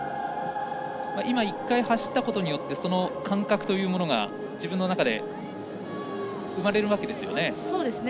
１回走ったことによって感覚というものが自分の中で生まれるわけですね。